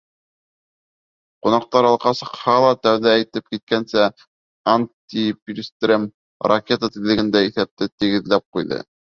Ҡунаҡтар алға сыҡһа ла, тәүҙә әйтеп киткәнсә, Антти Пильстрем ракета тиҙлегендә иҫәпте тигеҙләп ҡуйҙы.